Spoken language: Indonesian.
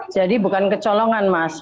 jadi bukan kecolongan mas